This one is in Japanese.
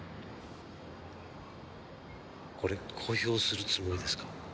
これ公表するつもりですか？